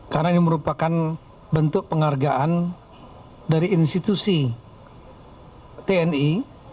karena ini merupakan bentuk penghargaan dari institusi tni